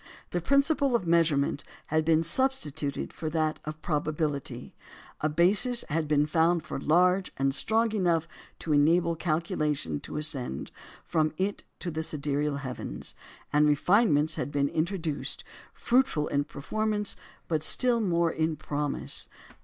The principle of measurement had been substituted for that of probability; a basis had been found large and strong enough to enable calculation to ascend from it to the sidereal heavens; and refinements had been introduced, fruitful in performance, but still more in promise.